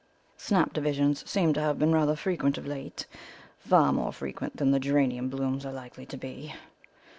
Snap divisions seem to have been rather frequent of late, far more frequent than the geranium blooms are likely to be.